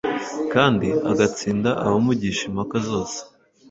kandi agatsinda abamugisha impaka zose